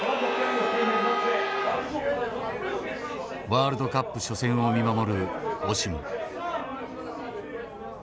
ワールドカップ初戦を見守るオシム。